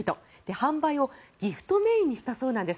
販売をギフトメインにしたそうなんです。